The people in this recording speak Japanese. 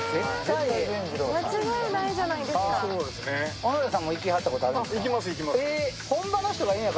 小野寺さんも行はったことあるんですか？